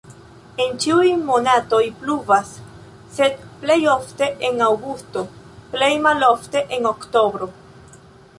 En ĉiuj monatoj pluvas, sed plej ofte en aŭgusto, plej malofte en oktobro.